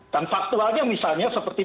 dan faktualnya misalnya seperti